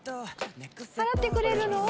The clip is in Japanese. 払ってくれるの？